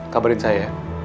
kabarin saya ya